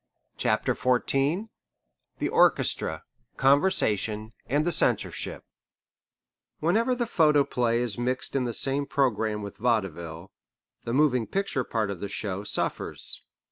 CHAPTER XIV THE ORCHESTRA, CONVERSATION, AND THE CENSORSHIP Whenever the photoplay is mixed in the same programme with vaudeville, the moving picture part of the show suffers.